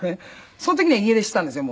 その時には家出したんですよ